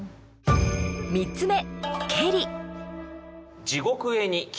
３つ目「けり」